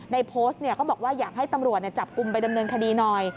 ในโพสต์ก็บอกว่าอยากให้ตำรวจจับกลุ่มไปดำเนินคดีหน่อย